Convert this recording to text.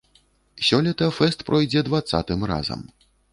Сёлета фэст пройдзе дваццатым разам.